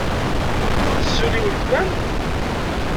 Tessulli weltma-m?